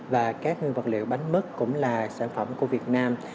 và các nguyên vật liệu bánh mứt cũng là sản phẩm của việt nam